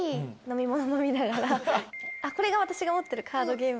これが私が持ってるカードゲーム。